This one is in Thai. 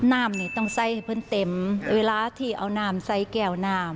น้ำเนี่ยต้องไส้เพิ่มเต็มเวลาที่เอาน้ำไส้แก่อน้ำ